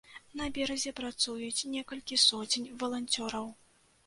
На беразе працуюць некалькі соцень валанцёраў.